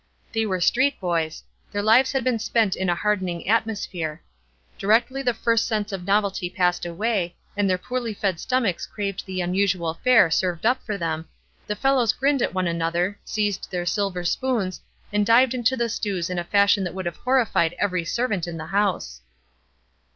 They were street boys; their lives had been spent in a hardening atmosphere. Directly the first sense of novelty passed away, and their poorly fed stomachs craved the unusual fare served up for them, the fellows grinned at one another, seized their silver spoons, and dived into the stews in a fashion that would have horrified every servant in the house.